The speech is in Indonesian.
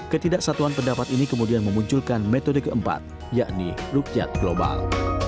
ketidaksatuan pendapat ini kemudian memunculkan metode keempat yakni rukyat global